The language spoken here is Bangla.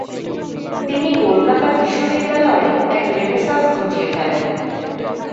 তিনি কলকাতা বিশ্ববিদ্যালয়ে এক রেনেসাঁস ঘটিয়ে ফেলেন।